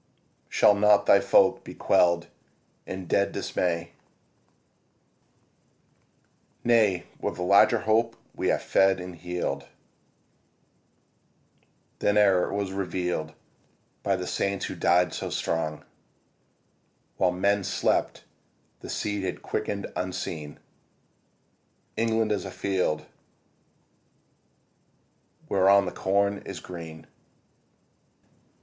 Shall not thy folk be quell'd in dead dismay? Nay, with a larger hope we are fed and heal'd Than e'er was reveal'd to the saints who died so strong; For while men slept the seed had quicken'd unseen. England is as a field whereon the corn is green.